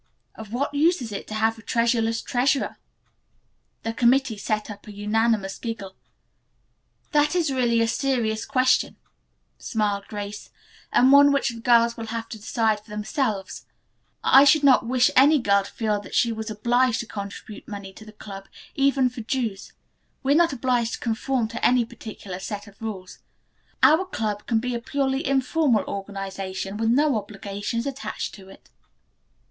"Of what use is it to have a treasureless treasurer?" The committee set up a unanimous giggle. "That is really a serious question," smiled Grace, "and one which the girls will have to decide for themselves. I should not wish any girl to feel that she were obliged to contribute money to the club, even for dues. We are not obliged to conform to any particular set of rules. Our club can be a purely informal organization with no obligations attached to it."